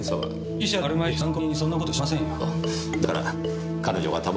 被疑者でもあるまいし参考人にそんな事しませんよ。